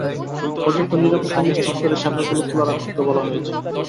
পর্যাপ্ত নিরাপত্তা নিশ্চিত করে শাখাগুলো খোলা রাখতে বলা হয়েছে।